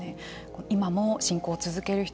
今も信仰を続ける人